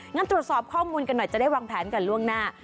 งั้นตรวจสอบข้อมูลกันหน่อยจะได้วางแผนกันล่วงหน้า